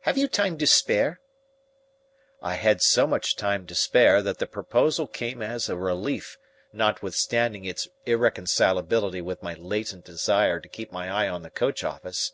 Have you time to spare?" I had so much time to spare, that the proposal came as a relief, notwithstanding its irreconcilability with my latent desire to keep my eye on the coach office.